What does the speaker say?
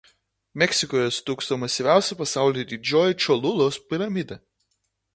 Meksikoje stūkso masyviausia pasaulyje Didžioji Čolulos piramidė.